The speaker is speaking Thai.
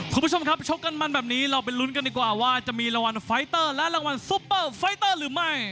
คุณผู้ชมครับชกกันมันแบบนี้เราไปลุ้นกันดีกว่าว่าจะมีรางวัลไฟเตอร์และรางวัลซุปเปอร์ไฟเตอร์หรือไม่